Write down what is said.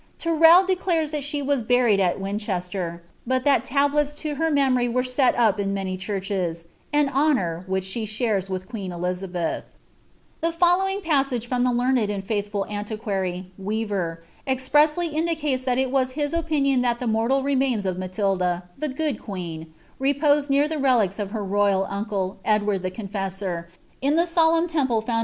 I declares that she was buried at Winchester, but that tablets to ory were set up in many churches^ — an honour, which she ith queen Elizabeth. ollowing passage from the learned and fiiithful antiquary, ^pressly indicates that it was his opinion that the mortal of Matilda, ^ the Good Qjueen,^ repose near the relics of her :Ie, Edward the Confessor, in the solemn temple founded by *e of Worcester.